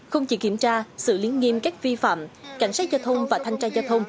không chỉ kiểm tra xử lý nghiêm các vi phạm cảnh sát giao thông và thanh tra giao thông